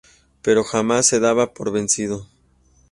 Pero jamás se daba por vencido.